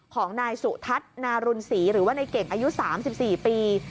ของนายสุทัศน์นารุณศรีหรือว่าในเก่งอายุ๓๔ปี